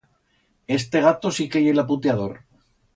Este gato sí que ye laputiador.